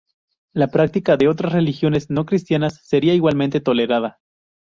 La práctica de otras religiones no cristianas sería igualmente tolerada.